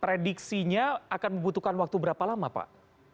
prediksi nya akan membutuhkan waktu berapa lama pak